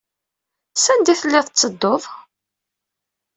Sanda ay telliḍ tettedduḍ?